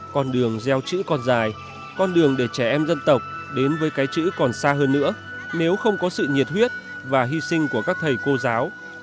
con đường gieo chữ còn dài con đường để trẻ em dân tộc đến với cái chữ còn xa hơn nữa nếu không có sự nhiệt huyết và hy sinh của các thầy cô giáo